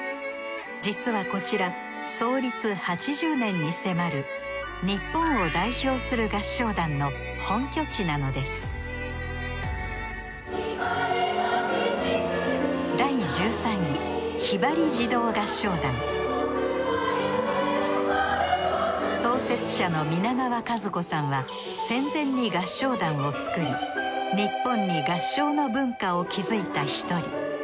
実はこちら創立８０年にせまる日本を代表する合唱団の本拠地なのです創設者の皆川和子さんは戦前に合唱団を作り日本に合唱の文化を築いた一人。